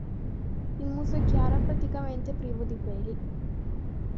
Il muso è chiaro e praticamente privo di peli.